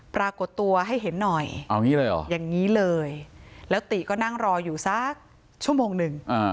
ปรากฏตัวให้เห็นหน่อยอย่างนี้เลยแล้วติก็นั่งรออยู่สักชั่วโมงหนึ่ง